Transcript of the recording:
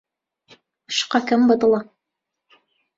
شوقەکەم بەدڵە.